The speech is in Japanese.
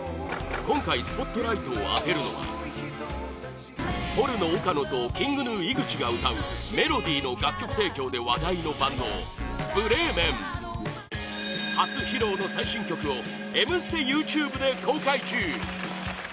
今回、スポットライトを当てるのはポルノ岡野とＫｉｎｇＧｎｕ井口が歌う「ＭＥＬＯＤＹ」の楽曲提供で話題のバンド、ＢＲＥＩＭＥＮ初披露の最新曲を「Ｍステ」ＹｏｕＴｕｂｅで公開中！